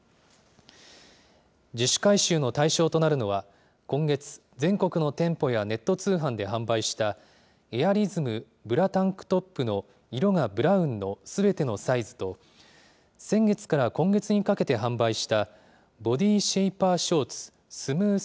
自主回収の対象となるのは、今月、全国の店舗やネット通販で販売した、エアリズムブラタンクトップの色がブラウンのすべてのサイズと、先月から今月にかけて販売した、ボディシェイパーショーツスムース